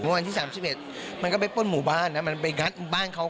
วันที่๓๑มันก็ไปป้นหมู่บ้านนะมันไปงัดบ้านเขา